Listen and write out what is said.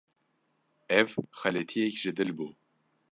Ev xeletiyek ji dil bû.